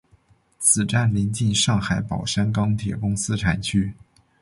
此站邻近上海宝山钢铁公司厂区。